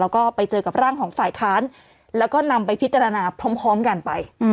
แล้วก็ไปเจอกับร่างของฝ่ายค้านแล้วก็นำไปพิจารณาพร้อมกันไป